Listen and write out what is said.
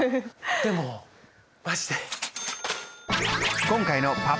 でもマジで？